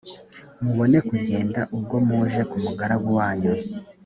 mubone kugenda ubwo muje ku mugaragu wanyu